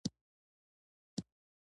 تاریخ ولې تکراریږي؟